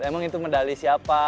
emang itu medali siapa